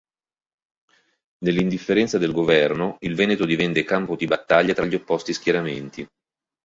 Nell'indifferenza del governo, il Veneto divenne campo di battaglia tra gli opposti schieramenti.